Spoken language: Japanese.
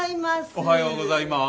おはようございます。